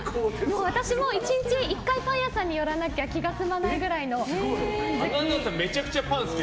私も１日１回パン屋さんに寄らなきゃ気が済まないくらいのパン好き。